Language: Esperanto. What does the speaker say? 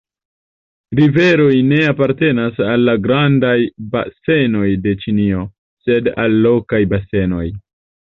Riveroj ne apartenas al la grandaj basenoj de Ĉinio, sed al lokaj basenoj.